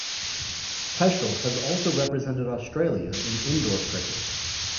Peschel has also represented Australia in indoor cricket.